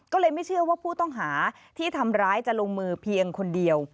ก็เลยไม่เชื่อว่าผู้ต้องหาที่ทำร้ายจะลงมือเพียงคนเดียว